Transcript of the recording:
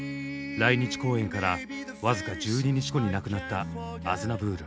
来日公演から僅か１２日後に亡くなったアズナヴール。